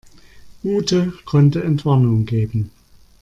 Ute konnte Entwarnung geben.